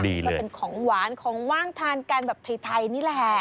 นี่ก็เป็นของหวานของว่างทานกันแบบไทยนี่แหละ